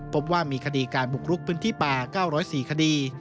พบว่ามีคดีการบุกรุกพื้นที่ป่า๙๐๔คดี